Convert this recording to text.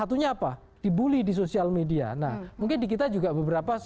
satunya apa dibully di sosial media nah mungkin di kita juga beberapa